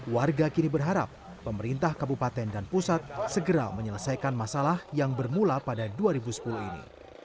warga kini berharap pemerintah kabupaten dan pusat segera menyelesaikan masalah yang bermula pada dua ribu sepuluh ini